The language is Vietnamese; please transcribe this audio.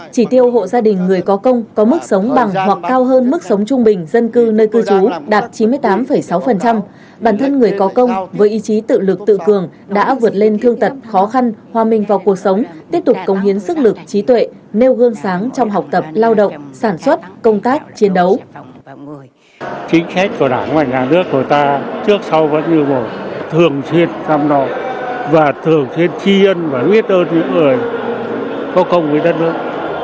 chính khách của đảng và nhà nước của ta trước sau vẫn như một thường xuyên tâm nội và thường xuyên tri ân và huyết ơn những người có công với đất nước